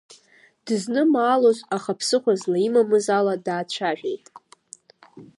Дызнымаалоз, аха ԥсыхәа злаимамыз ала даацәажәеит.